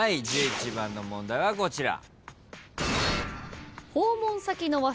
１１番の問題はこちら。